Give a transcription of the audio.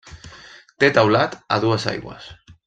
Té teulat a dues aigües.